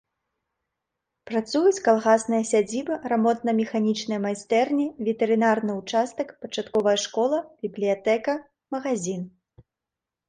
Працуюць калгасная сядзіба, рамонтна-механічныя майстэрні, ветэрынарны ўчастак, пачатковая школа, бібліятэка, магазін.